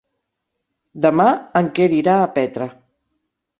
Demà en Quer irà a Petra.